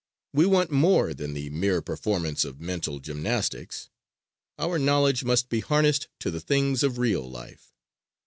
We want more than the mere performance of mental gymnastics. Our knowledge must be harnessed to the things of real life.